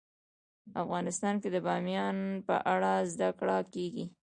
افغانستان کې د بامیان په اړه زده کړه کېږي.